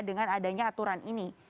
dengan adanya aturan ini